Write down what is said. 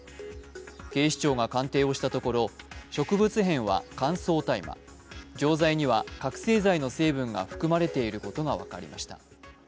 警視庁が鑑定をしたところ、植物片は乾燥大麻、錠剤には覚醒剤の成分が含まれていることが分かりました。